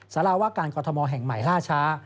สารวาการกรทมแห่งใหม่ล่าช้า